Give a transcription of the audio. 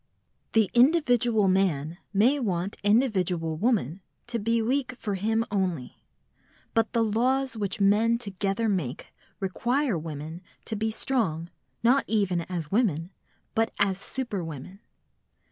The individual man may want individual woman to be weak for him only, but the laws which men together make require women to be strong, not even as women, but as superwomen.